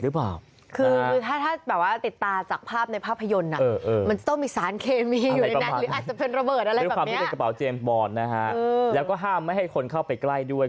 ความที่เป็นกระเป๋าเจมบอลนะฮะแล้วก็ห้ามไม่ให้คนเข้าไปใกล้ด้วย